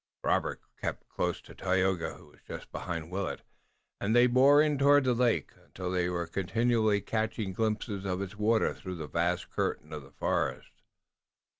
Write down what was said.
Robert kept close to Tayoga, who was just behind Willet, and they bore in toward the lake, until they were continually catching glimpses of its waters through the vast curtain of the forest.